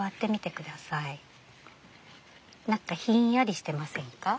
何やひんやりしてませんか？